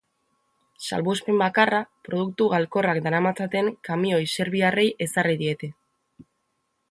Salbuespen bakarra produktu galkorrak daramatzaten kamioi serbiarrei ezarri diete.